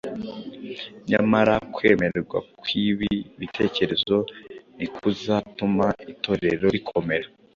nyamara kwemerwa kw’ibi bitekerezo ntikuzatuma Itorero rikomera.